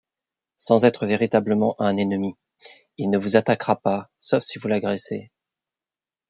Sans être véritablement un ennemi, il ne vous attaquera pas sauf si vous l’agressez.